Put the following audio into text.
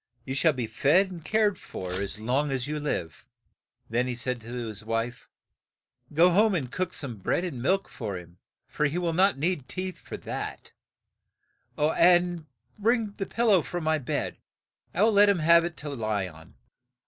You shall be fed and cared for as long as you live." Then he said to his wife, "Go home and cook some bread and milk for him, for he will not need teeth for that, and bring the pil low from my bed, I will let him have it to lie on.